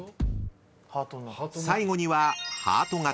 ［最後には］